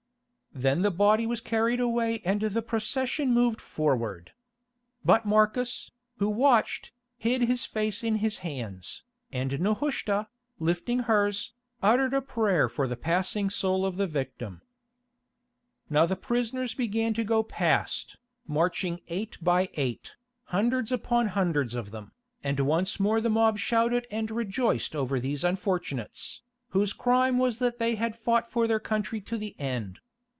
Then the body was carried away and the procession moved forward. But Marcus, who watched, hid his face in his hands, and Nehushta, lifting hers, uttered a prayer for the passing soul of the victim. Now the prisoners began to go past, marching eight by eight, hundreds upon hundreds of them, and once more the mob shouted and rejoiced over these unfortunates, whose crime was that they had fought for their country to the end.